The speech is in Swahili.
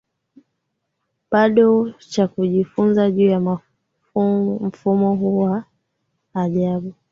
bado cha kujifunza juu ya mfumo huu wa ajabu